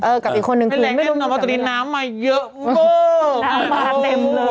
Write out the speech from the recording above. เออกับอีกคนนึงคือไม่แร้งเท่านั้นว่าตอนนี้น้ำมาเยอะน้ำมาเต็มเลย